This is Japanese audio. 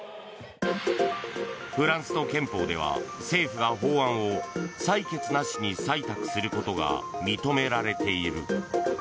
フランスの憲法では政府が法案を採決なしに採択することが認められている。